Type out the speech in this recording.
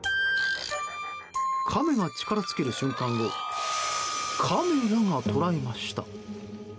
カメが力尽きる瞬間をカメラが捉えました。